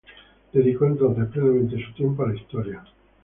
Dedicó entonces plenamente su tiempo a la historia.